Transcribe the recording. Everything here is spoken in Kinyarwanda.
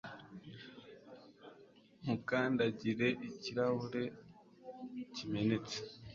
Ntukandagire ikirahure kimenetse